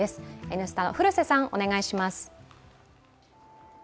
「Ｎスタ」の古瀬さん、お願いします